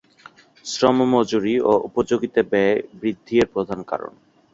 শ্রম মজুরি ও উপযোগিতা ব্যয় বৃদ্ধি এর প্রধান কারণ।